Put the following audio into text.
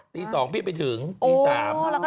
ตี๒พี่ไปถึงตี๓อะไรแบบนี้